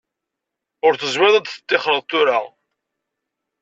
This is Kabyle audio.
Ur tezmireḍ ad teṭṭixreḍ tura.